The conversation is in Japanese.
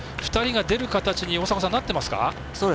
２人が出る形になっていますか。